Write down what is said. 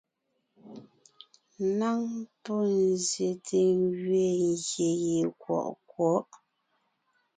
Ŋaŋ pɔ́ zsyète gẅiin gyè gie kwɔʼ kwɔ̌'.